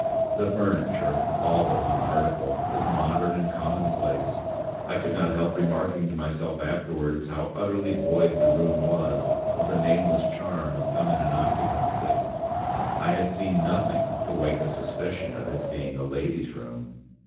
The furniture, all but one article, was modern and commonplace. I could not help remarking to myself afterwards how utterly void the room was of the nameless charm of feminine occupancy. I had seen nothing to wake a suspicion of its being a lady's room.